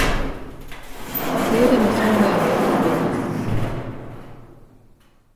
冬でもそうめんをよく食べます